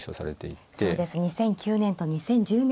そうです２００９年と２０１０年。